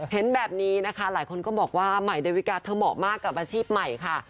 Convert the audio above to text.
เห็นแบบนี้นะคะหลายคนก็บอกว่าใหม่ดาวิกาเธอเหมาะมากกับอาชีพใหม่ค่ะ